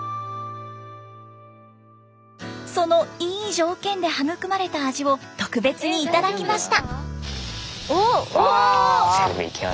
そのいい条件で育まれた味を特別に頂きました。